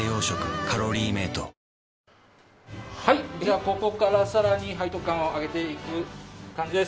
ここから更に背徳感を上げていく感じです。